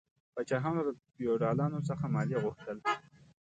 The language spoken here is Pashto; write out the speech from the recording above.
پاچاهانو له فیوډالانو څخه مالیه غوښتل.